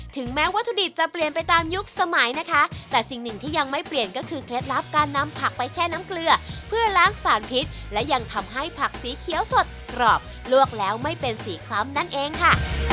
ถึงแม้วัตถุดิบจะเปลี่ยนไปตามยุคสมัยนะคะแต่สิ่งหนึ่งที่ยังไม่เปลี่ยนก็คือเคล็ดลับการนำผักไปแช่น้ำเกลือเพื่อล้างสารพิษและยังทำให้ผักสีเขียวสดกรอบลวกแล้วไม่เป็นสีคล้ำนั่นเองค่ะ